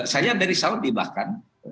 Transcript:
saya dari saudi bahkan